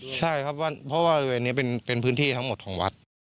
ใช่ครับเพราะว่าบริเวณนี้เป็นพื้นที่ทั้งหมดของวัด